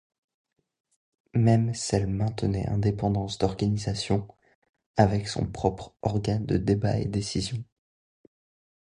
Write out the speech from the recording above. Même s'elles maintenaient indépendance d’organisation, avec son propres organes de débat et décision.